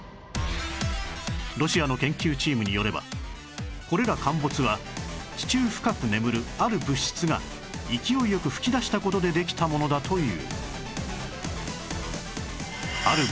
ロシアの研究チームによればこれら陥没は地中深く眠るある物質が勢いよく噴き出した事でできたものだという